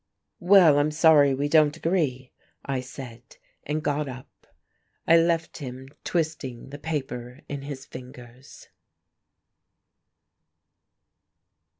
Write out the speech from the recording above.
"Well, I'm sorry we don't agree," I said, and got up. I left him twisting the paper in his fingers.